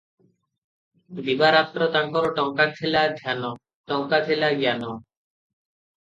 "ଦିବା-ରାତ୍ର ତାଙ୍କର ଟଙ୍କା ଥିଲା ଧ୍ୟାନ - ଟଙ୍କା ଥିଲା ଜ୍ଞାନ ।